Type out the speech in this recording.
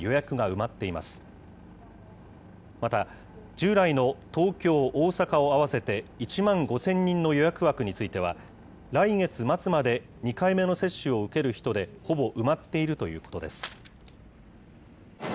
また、従来の東京、大阪を合わせて１万５０００人の予約枠については、来月末まで２回目の接種を受ける人で、ほぼ埋まっているということです。